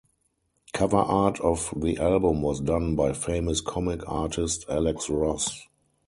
Cover art for the album was done by famous comic artist Alex Ross.